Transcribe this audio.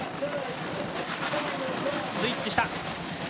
スイッチした。